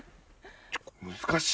難しい。